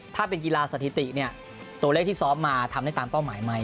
ถ้าเป็นกีฬาสถิติเนี่ยตัวเลขที่ซ้อมมาทำได้ตามเป้าหมายไหม